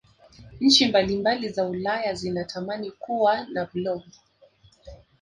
nchi mbalimbali za ulaya zinatamani Kuwa na blob